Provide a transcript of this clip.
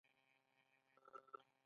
دا یو تاریخي او ښکلی ځای دی.